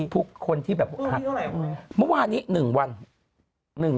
ผู้คนที่เมื่อวานนี้๑วัน